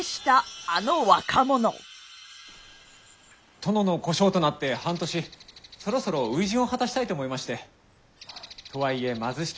殿の小姓となって半年そろそろ初陣を果たしたいと思いまして。とはいえ貧しき